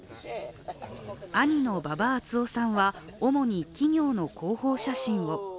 兄の馬場淳郎さんは、主に企業の広報写真を。